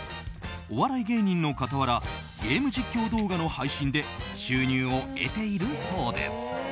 お笑い芸人の傍らゲーム実況動画の配信で収入を得ているそうです。